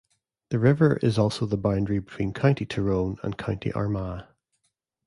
The river is also the boundary between County Tyrone and County Armagh.